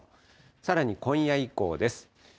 さらに今夜以降です。